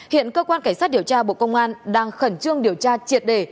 hiện cơ quan cảnh sát điều tra bộ công an đang khẩn trương điều tra triệt đề